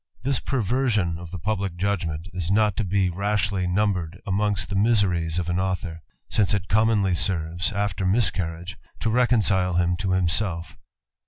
This perversion of the publick judgment is rashly numbered amongst the miseries of an aul it commonly serves, after miscarriage, to recon( himself.